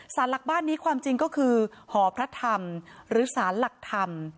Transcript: สารหลักบ้านนี้ความจริงก็คือหอพระธรรมหรือสารหลักธรรม